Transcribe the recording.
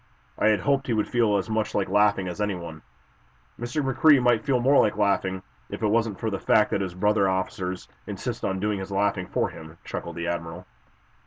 "I had hoped he would feel as much like laughing as anyone." "Mr. McCrea might feel more like laughing, if it weren't for the fact that his brother officers insist on doing his laughing for him," chuckled the admiral.